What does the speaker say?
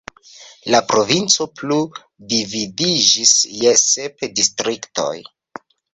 La provinco plu dividiĝis je sep distriktoj.